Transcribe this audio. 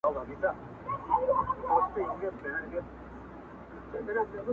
سم وارخطا_